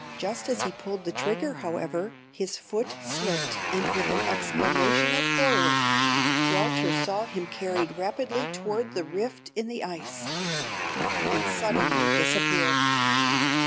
Just as he pulled the trigger, however, his foot slipped, and with an exclamation of horror, Walter saw him carried rapidly toward the rift in the ice, and suddenly disappear.